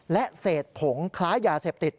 และเศษผงคล้ายยาเสพติด